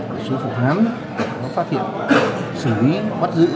và số phục án phát hiện xử lý bắt giữ